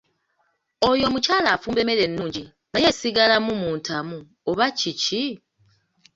Oyo omukyala afumba emmere ennungi naye esigalamu mu ntamu oba kiki?